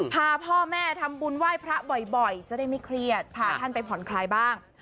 พาพ่อแม่ทำบุญไหว้พระบ่อยจะได้ไม่เครียดพาท่านไปผ่อนคลายบ้าง